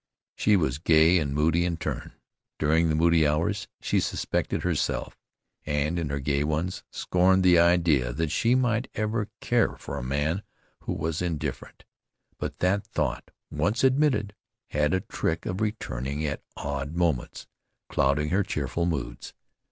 She was gay and moody in turn. During the moody hours she suspected herself, and in her gay ones, scorned the idea that she might ever care for a man who was indifferent. But that thought once admitted, had a trick of returning at odd moments, clouding her cheerful moods.